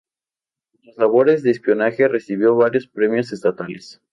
Por sus labores de espionaje recibió varios premios estatales.